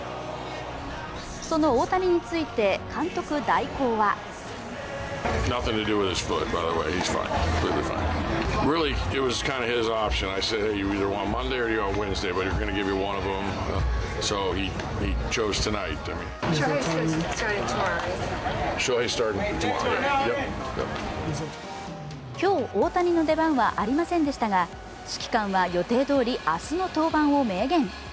その大谷について、監督代行は今日、大谷の出番はありませんでしたが、指揮官は予定どおり、明日の登板を明言。